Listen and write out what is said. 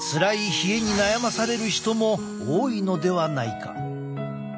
冷えに悩まされる人も多いのではないか。